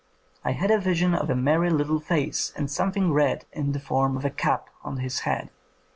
I had a vision of a merry little face and something red in the form of a cap on the head.